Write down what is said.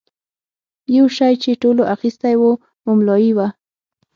یو شی چې ټولو اخیستی و مملايي وه.